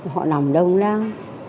họ nằm đông lắm